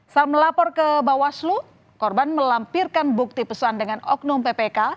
saat melapor ke bawaslu korban melampirkan bukti pesan dengan oknum ppk